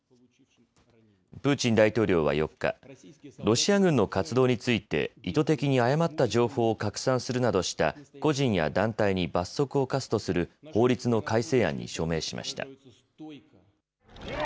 プーチン大統領は４日、ロシア軍の活動について意図的に誤った情報を拡散するなどした個人や団体に罰則を科すとする法律の改正案に署名しました。